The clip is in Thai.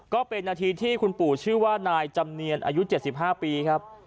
ก็เป็นนาทีที่คุณปู่ชื่อว่านายจำเนียนอายุ๗๕ปีครับ